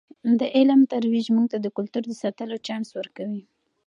د علم ترویج موږ ته د کلتور د ساتلو چانس ورکوي.